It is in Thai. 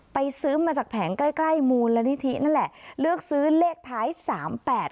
ซื้อมาจากแผงใกล้ใกล้มูลนิธินั่นแหละเลือกซื้อเลขท้ายสามแปด